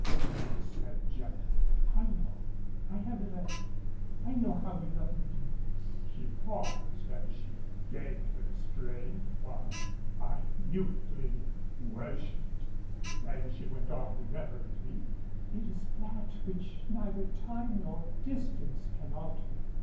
she said gently, "I know. I have learned. I know how you love me, dear." She paused as she gained her strength, while I mutely worshiped then she went on reverently. "It is that which neither time nor distance can alter.